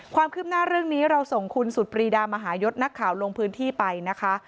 ความคืบหน้าเรื่องนี้เราส่งคุณสุดปรีดามหายศนักข่าวลงพื้นที่ไปนะคะ